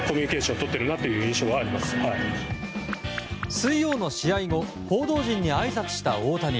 水曜の試合後報道陣にあいさつした大谷